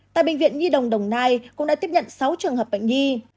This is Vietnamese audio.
tại bệnh viện nhi đồng đồng nai cũng đã tiếp nhận sáu trường hợp bệnh nhi